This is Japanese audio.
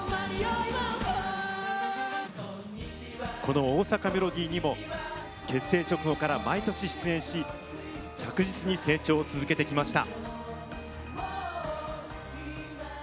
この「大阪メロディー」にも結成直後から毎年出演し着実に成長を続けてきました。